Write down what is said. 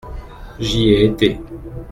J’y ai été.